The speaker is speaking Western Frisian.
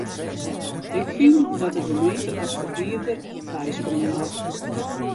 Ik fyn dat de gemeente as ferhierder byspringe moat.